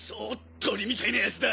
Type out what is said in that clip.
鳥みたいなヤツだ。